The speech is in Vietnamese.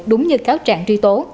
đúng như cáo trạng truy tố